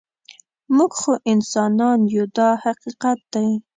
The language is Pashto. موږ خو انسانان یو دا حقیقت دی.